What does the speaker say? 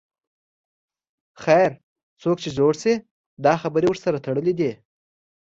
خیر، څوک چې زوړ شي دا خبرې ورسره تړلې دي.